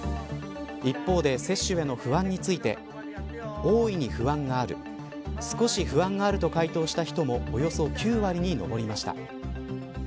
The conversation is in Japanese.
一方で接種への不安について大いに不安がある少し不安があると回答した人もおよそ９割に上りました。